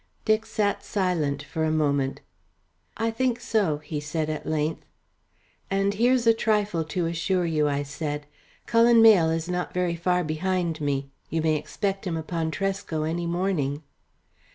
Dick sat silent for a moment. "I think so," he said at length. "And here's a trifle to assure you," I said. "Cullen Mayle is not very far behind me. You may expect him upon Tresco any morning."